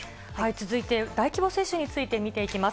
続いて大規模接種について見ていきます。